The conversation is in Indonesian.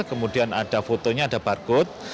kemudian ada fotonya ada barcode